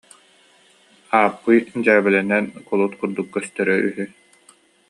Ааппый дьээбэлэнэн кулут курдук көстөрө үһү